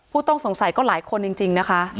ผู้ต้องสงสัยก็หลายคนจริงนะคะ